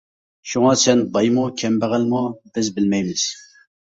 شۇڭا سەن بايمۇ كەمبەغەلمۇ بىز بىلمەيمىز.